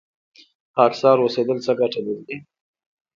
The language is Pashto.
خاکسار اوسیدل څه ګټه لري؟